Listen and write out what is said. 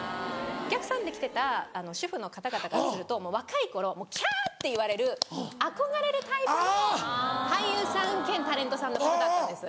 お客さんで来てた主婦の方々からすると若い頃キャ！って言われる憧れるタイプの俳優さん兼タレントさんの方だったんです。